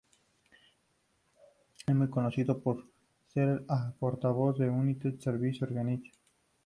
Es muy conocida por ser la portavoz de United Service Organizations.